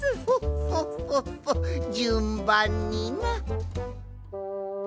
フォッフォッフォッじゅんばんにな。